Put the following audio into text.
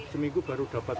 seminggu baru dapat